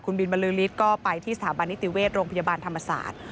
คุณบินบริษฐ์ก็ไปที่สถาบันอิติเวศโรงพยาบาลธรรมศาสตร์